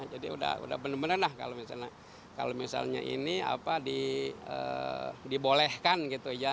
jadi udah bener bener lah kalau misalnya ini dibolehkan gitu ya